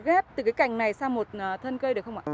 ghép từ cái cành này sang một thân cây được không ạ